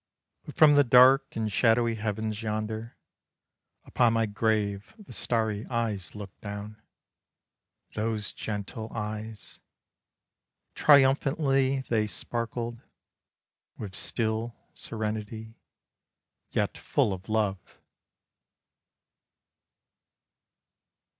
But from the dark and shadowy heavens yonder, Upon my grave the starry eyes looked down. Those gentle eyes! Triumphantly they sparkled, With still serenity, yet full of love.